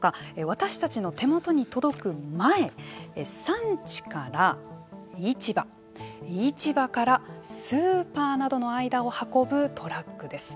私たちの手元に届く前産地から市場市場からスーパーなどの間を運ぶトラックです。